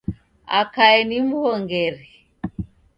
Akae ni m'w'ongeri.